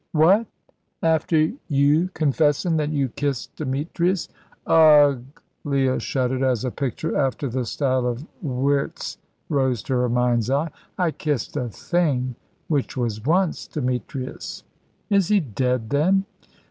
"What? After you confessin' that you kissed Demetrius?" "Ugh!" Leah shuddered, as a picture after the style of Wiertz rose to her mind's eye. "I kissed a thing which was once Demetrius." "Is he dead, then?"